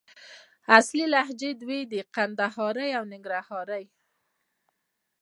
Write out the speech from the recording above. اصلي لهجې دوې دي: کندهارۍ او ننګرهارۍ